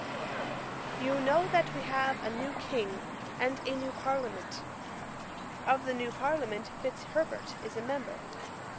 'You know that we have a new King and a new Parliament. Of the new Parliament Fitzherbert is a member.